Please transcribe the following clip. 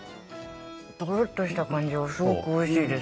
どろっとした感じがすごくおいしいです。